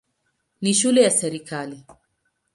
Ni shule ya serikali.